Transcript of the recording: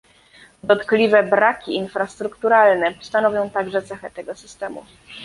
Dotkliwe braki infrastrukturalne stanowią także cechę tego systemu